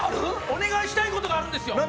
お願いしたいことがあるんですよ。